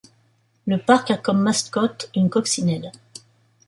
Le parc a comme mascotte une coccinelle.